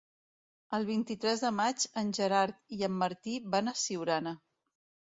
El vint-i-tres de maig en Gerard i en Martí van a Siurana.